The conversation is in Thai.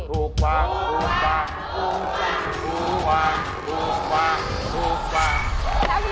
ถูกบ้างถูกบ้างถูกบ้างถูกบ้างถูกบ้างถูกบ้าง